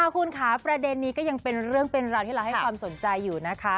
คุณค่ะประเด็นนี้ก็ยังเป็นเรื่องเป็นราวที่เราให้ความสนใจอยู่นะคะ